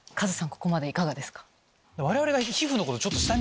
ここまでいかがですか？